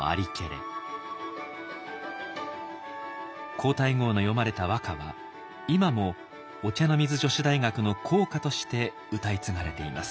皇太后の詠まれた和歌は今もお茶の水女子大学の校歌として歌い継がれています。